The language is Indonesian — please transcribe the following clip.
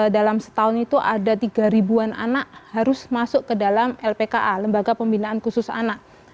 dalam setahun itu ada tiga ribuan anak harus masuk ke dalam lpka lembaga pembinaan khusus anak